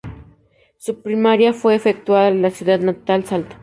Su primaria la efectúa en la ciudad natal Salto.